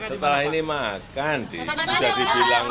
setelah ini makan bisa dibilang